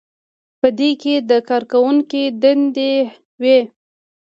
په دې کې د کارکوونکي دندې وي.